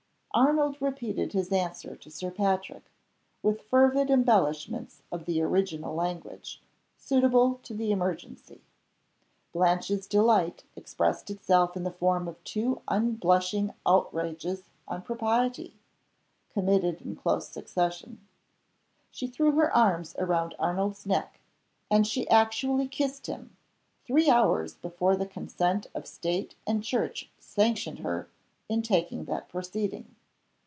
Arnold repeated his answer to Sir Patrick, with fervid embellishments of the original language, suitable to the emergency. Blanche's delight expressed itself in the form of two unblushing outrages on propriety, committed in close succession. She threw her arms round Arnold's neck; and she actually kissed him three hours before the consent of State and Church sanctioned her in taking that proceeding.